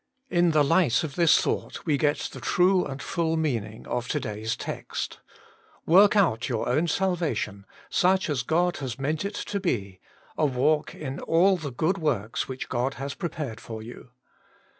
In the light of this thought we get the true and full meaning of to day's text. Work out your own sal vation, such as God has meant it to be, a walk in all the good works which God has [ prepared for you.